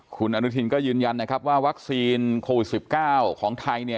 คุณอนุทินก็ยืนยันนะครับว่าวัคซีนโควิด๑๙ของไทยเนี่ย